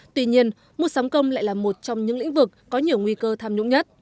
tuy nhiên mua sắm công lại là một trong những lĩnh vực có nhiều nguy cơ tham nhũng nhất